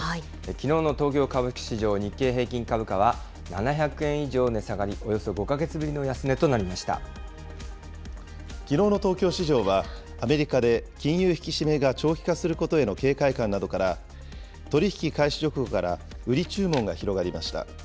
きのうの東京株式市場、日経平均株価は７００円以上値下がり、およそ５か月ぶりの安値となりましきのうの東京市場は、アメリカで金融引き締めが長期化することへの警戒感などから、取り引き開始直後から売り注文が広がりました。